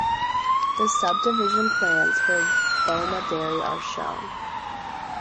The subdivision plans for Bomaderry are shown.